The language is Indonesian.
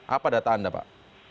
apa data anda pak